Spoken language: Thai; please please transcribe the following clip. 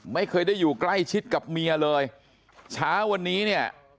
ไม่เคยได้อยู่ใกล้ชิดกับเมียเลยเช้าวันนี้เนี่ย